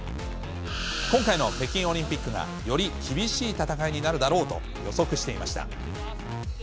今回の北京オリンピックが、より厳しい大会になるだろうと、予測していました。